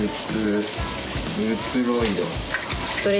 すごい。何？